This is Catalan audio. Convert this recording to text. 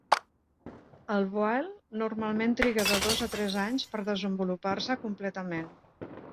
El "voile" normalment triga de dos a tres anys per desenvolupar-se completament.